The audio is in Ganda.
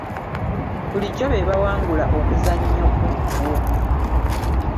Bulijjo be bawangula omuzannyo ogwo.